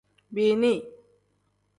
Bini.